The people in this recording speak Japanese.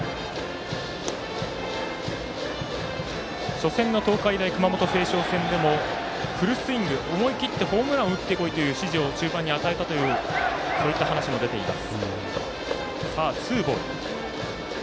初戦の東海大熊本星翔戦でもフルスイング思い切ってホームランを打って来いという指示をそういった話も出ています。